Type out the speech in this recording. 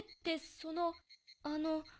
そのあの。